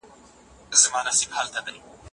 تاسو باید د مقالي لپاره یو مناسب میتود غوره کړئ.